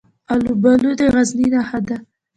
الوبالو د غزني نښه ده.